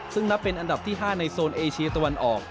ซึ่งนับเป็นอันดับที่๕ในโซนเอเชียตะวันออก